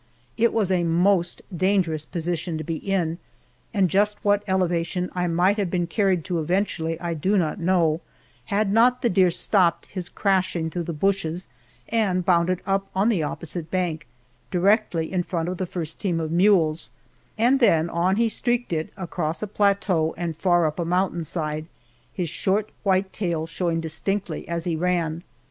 It was a most dangerous position to be in, and just what elevation I might have been carried to eventually I do not know, had not the deer stopped his crashing through the bushes and bounded up on the opposite bank, directly in front of the first team of mules, and then on he streaked it across a plateau and far up a mountain side, his short white tail showing distinctly as he ran.